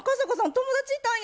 友達いたんや。